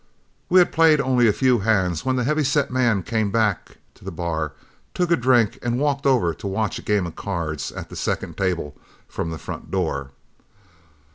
We had played only a few hands when the heavy set man came back to the bar, took a drink, and walked over to watch a game of cards at the second table from the front door.